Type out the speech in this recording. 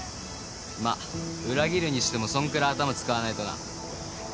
まあ裏切るにしてもそんくらい頭使わないとな。